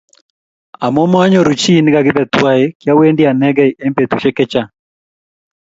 Amu mayoru chi negagibe tuwai, kyawendi anegei eng betushiek chechang